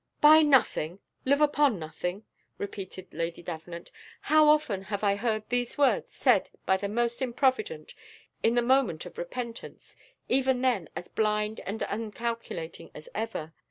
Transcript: "Buy nothing live upon nothing!" repeated Lady Davenant; "how often have I heard these words said by the most improvident, in the moment of repentance, even then as blind and uncalculating as ever!